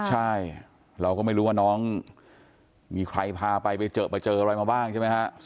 ใช่เราก็ไม่รู้ว่าน้องมีใครพาไปไปเจอไปเจออะไรมาบ้างใช่ไหมฮะ